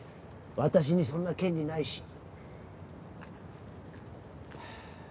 私にそんな権利ないし。